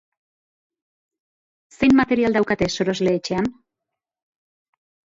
Zein material daukate sorosle-etxean?